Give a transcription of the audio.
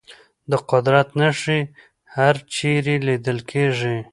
د قدرت نښې هرچېرې لیدل کېږي.